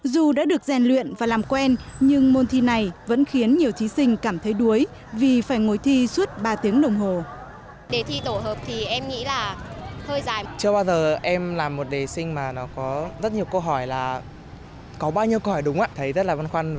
dù đã được rèn luyện và làm quen nhưng môn thi này vẫn khiến nhiều thí sinh cảm thấy khó khăn